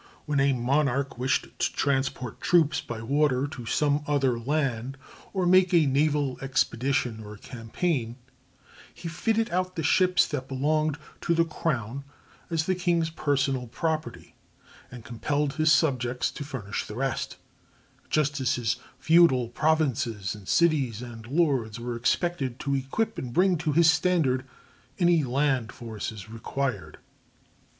When a monarch wished to transport troops by water to some other land, or make a naval expedition or campaign, he fitted out the ships that belonged to the crown as the king's personal property, and compelled his subjects to furnish the rest, just as his feudal provinces and cities and lords were expected to equip and bring to his standard any land forces required.